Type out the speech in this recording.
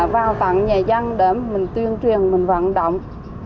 vào tặng nhà dân để mình tuyên truyền mình vận động